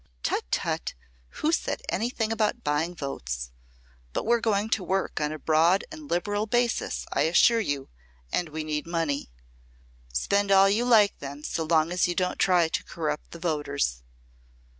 "Tut tut! Who said anything about buying votes? But we're going to work on a broad and liberal basis, I assure you, and we need money." "Spend all you like, then, so long as you don't try to corrupt the voters."